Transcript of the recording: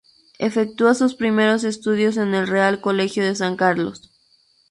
Efectuó sus primeros estudios en el Real Colegio de San Carlos.